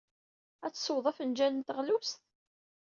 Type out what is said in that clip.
Ad teswed afenjal n teɣlust?